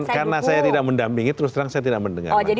karena saya tidak mendampingi terus terang saya tidak mendengar